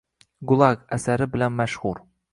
“Gulag” asari bilan mashhur